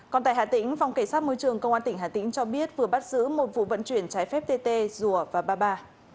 còn tại hà tĩnh phòng cảnh sát môi trường công an tỉnh hà tĩnh cho biết vừa bắt giữ một vụ vận chuyển trái phép tt rùa và ba ba